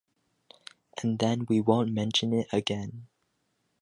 And then we won’t mention it again.